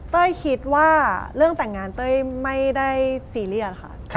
คิดว่าเรื่องแต่งงานเต้ยไม่ได้ซีเรียสค่ะ